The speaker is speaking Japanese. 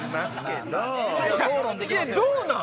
どうなん？